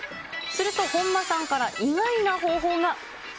すると本間さんから意外な方法が。